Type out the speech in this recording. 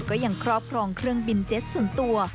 ก็ยังครอบครองเครื่องบินเจ็ตส่วนตัว